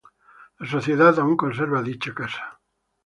La sociedad aún conserva dicha casa.